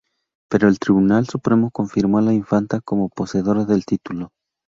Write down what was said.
Pero el Tribunal Supremo confirmó a la infanta como poseedora del título.